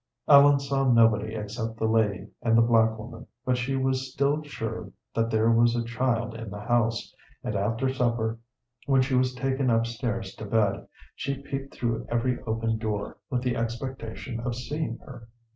Ellen saw nobody except the lady and the black woman, but she was still sure that there was a child in the house, and after supper, when she was taken up stairs to bed, she peeped through every open door with the expectation of seeing her.